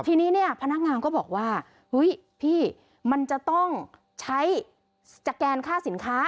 ทีนี้เนี่ยพนักงานก็บอกว่าเฮ้ยพี่มันจะต้องใช้สแกนค่าสินค้า